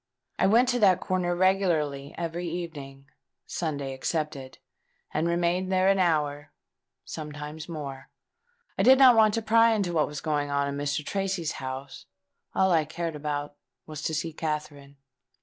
I went to that corner regularly every evening, Sunday excepted; and remained there an hour—sometimes more. I did not want to pry into what was going on in Mr. Tracy's house: all I cared about was to see Katherine."